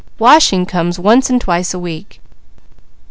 Washing comes once and twice a week."